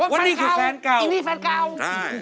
ว่านี่คือแฟนเก่าอีกมีแฟนเก่า